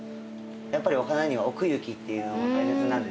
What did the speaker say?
やっぱりお花には奥行きっていうのが大切なんでですね